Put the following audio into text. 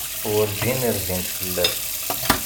Werǧin rzint fell-as.